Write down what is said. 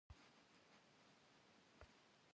Abı yêşhu psım dunêymi khışêk'uh.